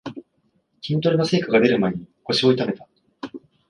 筋トレの成果がでる前に腰を痛めた